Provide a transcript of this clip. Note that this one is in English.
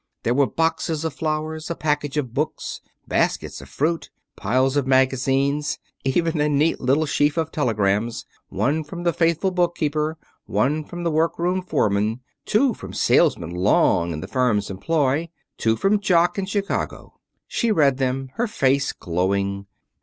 There were boxes of flowers, a package of books, baskets of fruit, piles of magazines, even a neat little sheaf of telegrams, one from the faithful bookkeeper, one from the workroom foreman, two from salesmen long in the firm's employ, two from Jock in Chicago. She read them, her face glowing.